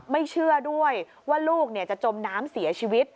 ไม่เชื่อด้วยว่าลูกจะจมน้ำเสียชีวิต